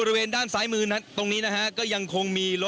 นะครับด้วยการกระชับพื้นที่และยึดพื้นที่และเข้าควบคุมพื้นที่บริเวณนี้ครับ